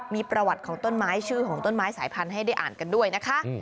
มีประวัติของต้นไม้ชื่อของต้นไม้สายพันธุ์ให้ได้อ่านกันด้วยนะคะ